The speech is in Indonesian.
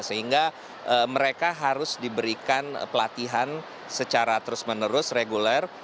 sehingga mereka harus diberikan pelatihan secara terus menerus reguler